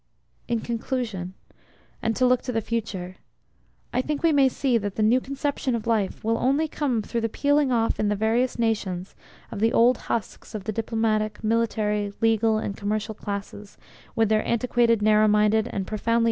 In conclusion, and to look to the future: I think we may see that the new conception of life will only come through the peeling off in the various nations of the old husks of the diplomatic, military, legal, and commercial classes, with their antiquated, narrow minded and profoundly.